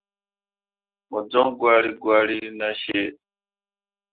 Mo joŋ gwari gwari nah cii.